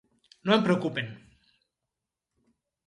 No em preocupen.